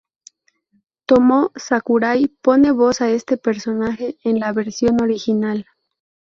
Tomo Sakurai pone voz a este personaje en la versión original.